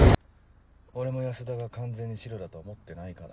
俺も安田が完全にシロだとは思ってないから。